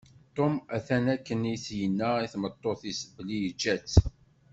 Tom atan akken i s-yenna i tmeṭṭut-is belli yeǧǧa-tt.